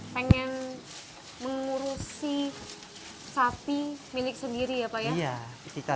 pengen mengurusi sapi milik sendiri ya pak ya